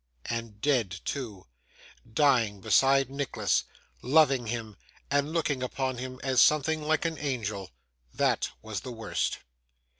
And dead too. Dying beside Nicholas, loving him, and looking upon him as something like an angel. That was the worst!